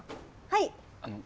はい。